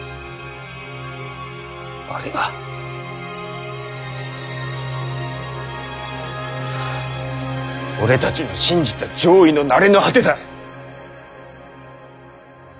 あれが俺たちの信じた攘夷の成れの果てだ。